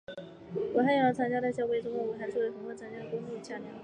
武汉阳逻长江大桥是位于中国武汉市的一座横跨长江的公路桥梁。